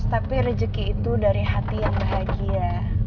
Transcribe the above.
tapi rezeki itu dari hati yang bahagia